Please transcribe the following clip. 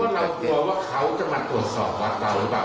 เรากลัวว่าเขาจะมาตรวจสอบวัดเราหรือเปล่า